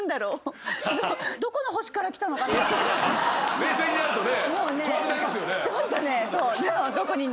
冷静になるとね。